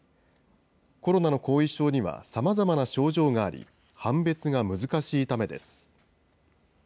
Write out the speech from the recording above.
コロナの後遺症にはさまざまな症状があり、判別が難しいためです。